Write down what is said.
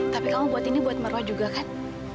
tapi kamu buat ini buat meroh juga kan